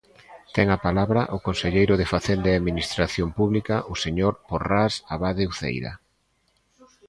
Ten a palabra o conselleiro de Facenda e Administración Pública, o señor Porrás Abade-Uceira.